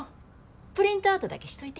プリントアウトだけしといて。